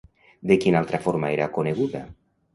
De quina altra forma era coneguda?